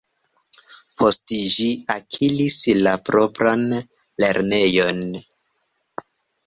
Post ĝi akiris la propran lernejon.